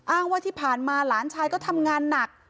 อ้างว่าที่ผ่านมาหลานชายก็ทำงานหนัก